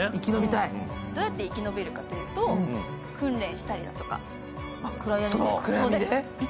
どうやって生き延びるかというと訓練したりとか。